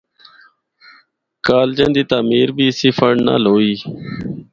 کالجاں دی تعمیر بھی اسی فنڈ نال ہوئی۔